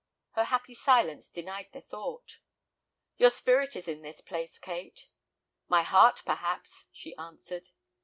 Her happy silence denied the thought. "Your spirit is in the place, Kate." "My heart, perhaps," she answered.